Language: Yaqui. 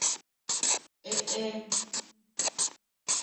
¡Eʼe!